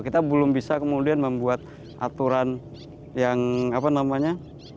kita belum bisa kemudian membuat aturan yang apa namanya